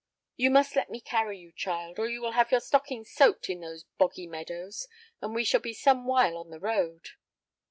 "You must let me carry you, child, or you will have your stockings soaked in those boggy meadows, and we shall be somewhile on the road."